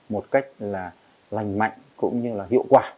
một cách là lành mạnh cũng như là hiệu quả